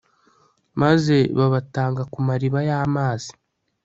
maze babatanga ku mariba y'amazi